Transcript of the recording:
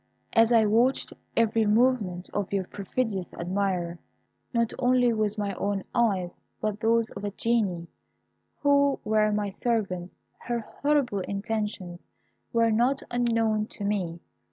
As I watched every movement of your perfidious admirer, not only with my own eyes, but those of the Genii, who were my servants, her horrible intentions were not unknown to me.